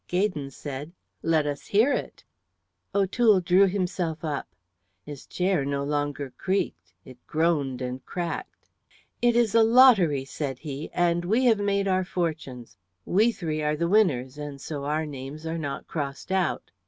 Gaydon said, "Let us hear it." O'Toole drew himself up; his chair no longer creaked, it groaned and cracked. "It is a lottery," said he, "and we have made our fortunes. We three are the winners, and so our names are not crossed out."